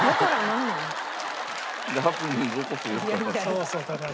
そうそう高橋。